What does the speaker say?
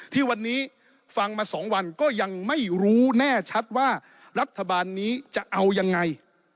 ที่วันนี้ฟังมา๒วันก็ยังไม่รู้แน่ชัดว่ารัฐบาลนี้จะเอายังไง